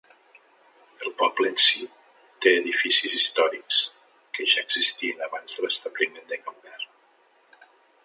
El poble en sí té edificis històrics que ja existien abans de l'establiment de Canberra.